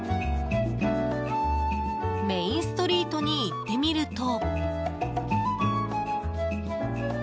メインストリートに行ってみると。